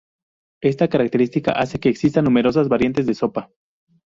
Esta característica hace que existan numerosas variantes de sopa.